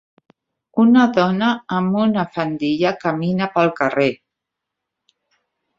Una dona amb una falda camina pel carrer.